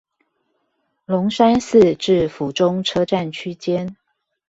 龍山寺至府中車站區間